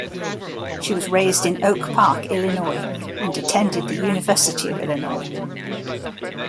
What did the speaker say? She was raised in Oak Park, Illinois, and attended the University of Illinois.